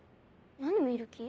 何見る気？